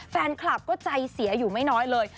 แฟนคลับก็ใจเสียอยู่ไม่น้อยเลย